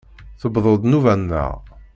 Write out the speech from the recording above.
Tewweḍ-d nnuba-nneɣ!